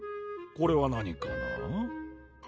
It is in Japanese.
これは何かな？